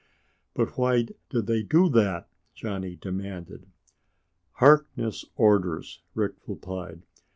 "But why did they do that?" Johnny demanded. "Harkness' orders," Rick replied.